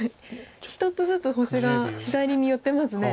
１つずつ星が左に寄ってますね。